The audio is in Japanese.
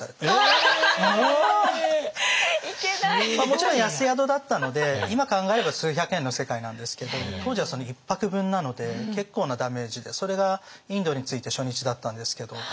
もちろん安宿だったので今考えれば数百円の世界なんですけど当時は１泊分なので結構なダメージでそれがインドに着いて初日だったんですけど。